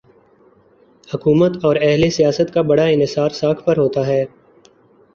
حکومت اوراہل سیاست کا بڑا انحصار ساکھ پر ہوتا ہے۔